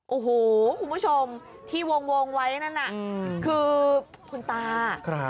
โอ้โหคุณผู้ชมที่วงไว้นั่นน่ะคือคุณตา